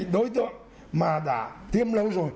đối tượng mà đã tiêm lâu rồi